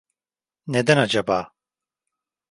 Neden acaba?